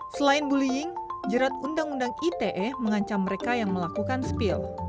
selain bullying jerat undang undang ite mengancam mereka yang melakukan spill